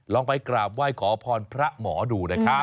ลองไปกราบไหว้ขอพรพระหมอดูนะครับ